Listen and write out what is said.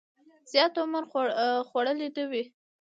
زیات عمر خوړلی نه وي.